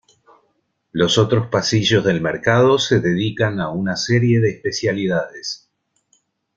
Los otros pasillos del mercado se dedican a una serie de especialidades.